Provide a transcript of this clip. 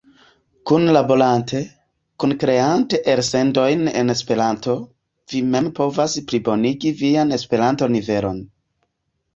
Kunlaborante, kunkreante elsendojn en Esperanto, vi mem povas plibonigi vian Esperanto-nivelon.